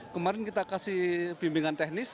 kemarin kita kasih bimbingan teknis